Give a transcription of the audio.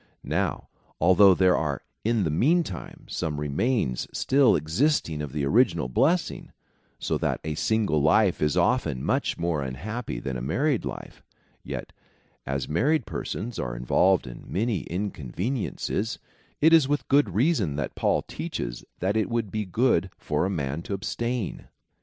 Now, althougli there are in the meantime some remains still existing of the original blessing, so that a single life is often much more unhappy than the married life ; yet, as married persons are involved in many inconveniences, it is with good reason that Paul teaches that it would be good for a man to abstain.